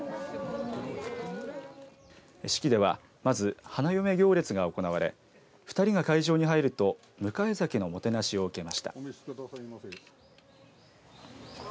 式ではまず花嫁行列が行われ２人が会場に入ると迎え酒のもてなしを受けました。